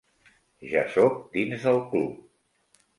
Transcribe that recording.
Ja soc dins del club.